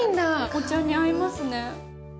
お茶に合いますね。